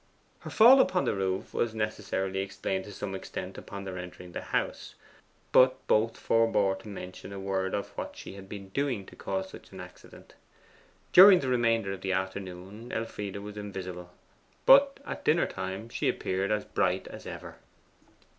Her fall upon the roof was necessarily explained to some extent upon their entering the house; but both forbore to mention a word of what she had been doing to cause such an accident. During the remainder of the afternoon Elfride was invisible; but at dinner time she appeared as bright as ever.